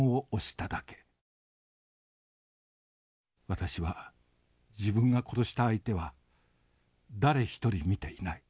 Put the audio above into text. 私は自分が殺した相手は誰一人見ていない。